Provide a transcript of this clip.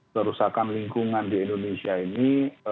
kerusakan lingkungan di indonesia ini